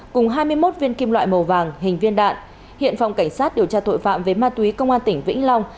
cùng hai mươi một viên kim loại màu vàng hình viên đạn hiện phòng cảnh sát điều tra tội phạm về ma túy công an tỉnh vĩnh long